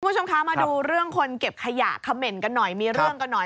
คุณผู้ชมคะมาดูเรื่องคนเก็บขยะเขม่นกันหน่อยมีเรื่องกันหน่อย